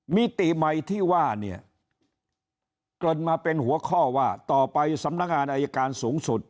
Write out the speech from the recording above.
มิติใหม่ที่ว่าเนี่ยเกริ่นมาเป็นหัวข้อว่าต่อไปสำนักงานอายการสูงสุด